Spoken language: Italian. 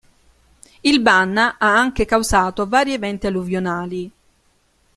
Il Banna ha anche causato vari eventi alluvionali.